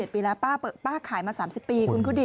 ๓๗ปีแล้วป้าขายมา๓๐ปีคุณคุณคุณดิ